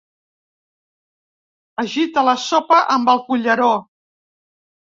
Agita la sopa amb el culleró.